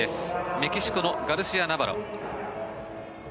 メキシコのガルシア・ナバロ。